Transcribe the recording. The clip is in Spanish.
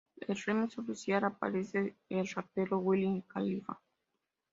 El remix official aparece el rapero Wiz Khalifa.